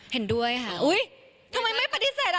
เห็นด้วยค่ะอุ๊ยทำไมไม่ปฏิเสธอ่ะ